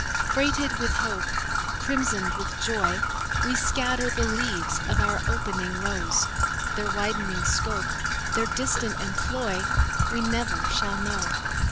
Freighted with hope, Crimsoned with joy, We scatter the leaves of our opening rose; Their widening scope, Their distant employ, We never shall know.